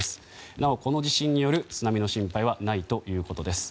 なお、この地震による津波の心配はないということです。